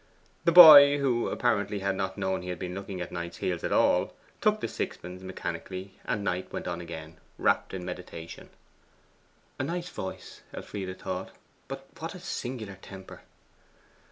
The boy, who apparently had not known he had been looking at Knight's heels at all, took the sixpence mechanically, and Knight went on again, wrapt in meditation. 'A nice voice,' Elfride thought; 'but what a singular temper!